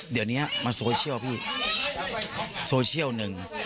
เดี๋ยวนี้มันโซเชียลพี่โซเชียลหนึ่ง